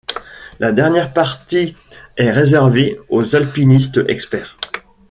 La dernière partie est réservée aux alpinistes experts.